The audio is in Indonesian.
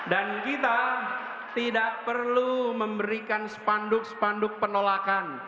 dan kita tidak perlu memberikan spanduk spanduk penolakan